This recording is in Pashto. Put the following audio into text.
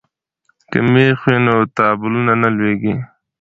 که مېخ وي نو تابلو نه لویږي.